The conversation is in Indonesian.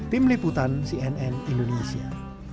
tim liputan cnn indonesia